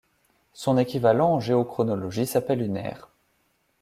Son équivalent en géochronologie s'appelle une ère.